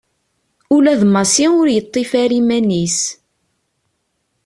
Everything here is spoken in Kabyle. Ula d Massi ur yeṭṭif ara iman-is.